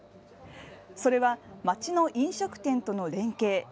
それは町の飲食店との連携。